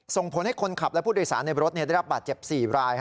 ส่งผลให้คนขับและผู้โดยสารในรถได้รับบาดเจ็บ๔ราย